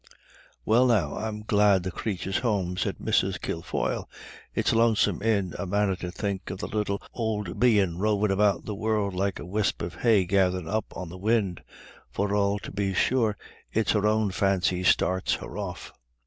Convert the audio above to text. "Well, now, I'm glad the crathur's home," said Mrs. Kilfoyle. "It's lonesome in a manner to think of the little ould bein' rovin' about the world like a wisp of hay gathered up on the win'; for all, tubbe sure, it's her own fancy starts her off."